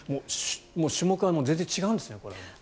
種目は全然違うんですね。